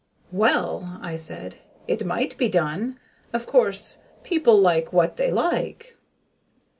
"Well," I said, "it might be done. Of course, people like what they like."